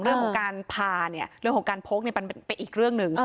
เรื่องของการพาเนี่ยเรื่องของการพกเนี่ยมันเป็นอีกเรื่องหนึ่ง